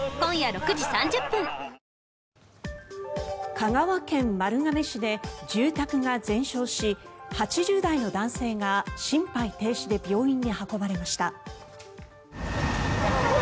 香川県丸亀市で住宅が全焼し８０代の男性が心肺停止で病院に運ばれました。